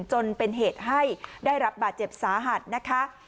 จนเป็นเหตุให้ได้รับบาดเจ็บสาหัสนะคะ